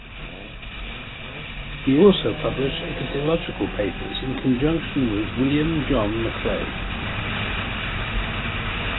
He also published ichthyological papers in conjunction with William John Macleay.